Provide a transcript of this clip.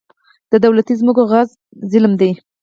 د دولتي ځمکو غصب ظلم دی.